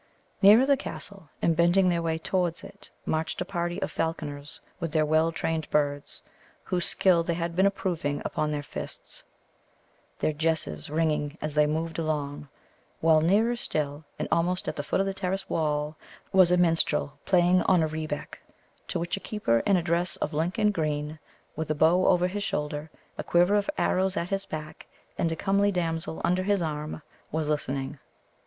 Nearer the castle, and bending their way towards it, marched a party of falconers with their well trained birds, whose skill they had been approving upon their fists, their jesses ringing as they moved along, while nearer still, and almost at the foot of the terrace wall, was a minstrel playing on a rebec, to which a keeper, in a dress of Lincoln green, with a bow over his shoulder, a quiver of arrows at his back, and a comely damsel under his arm, was listening.